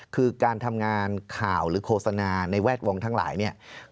คือการทำงานข่าวหรือโฆษณาในแวดวงทั้งหลายเนี่ย